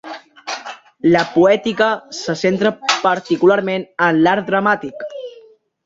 La "Poètica" se centra particularment en l'art dramàtic.